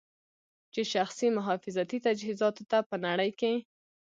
چې شخصي محافظتي تجهیزاتو ته په نړۍ کې